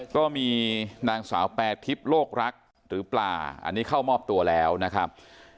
ก็มีนางสาวแปรทิพย์โลกรักหรือปลาอันนี้เข้ามอบตัวแล้วนะครับ